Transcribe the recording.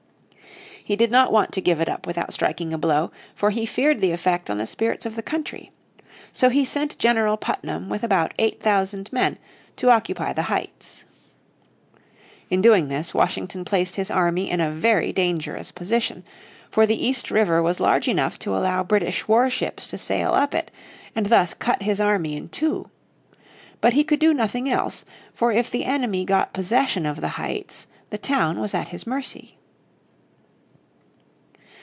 He did not want to give it up without striking a blow, for he feared the effect on the spirits of the country. So he send General Putnam with about eight thousand men to occupy the Heights. In doing this Washington placed his army in a very dangerous position, for the East River was large enough to allow British war ships to sail up it and thus cut his army in two. But he could do nothing else, for if the enemy got possession of the Heights the town was at his mercy.